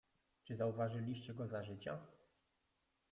"Czy zauważyliście go za życia?"